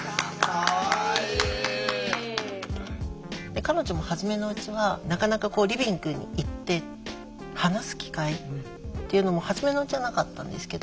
彼女もはじめのうちはなかなかこうリビングに行って話す機会っていうのもはじめのうちはなかったんですけど。